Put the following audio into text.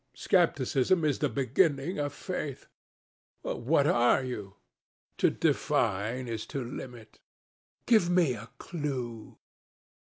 Scepticism is the beginning of faith." "What are you?" "To define is to limit." "Give me a clue."